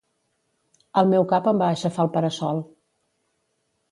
El meu cap em va aixafar el parasol